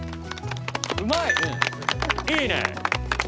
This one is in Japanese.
うまい！いいね！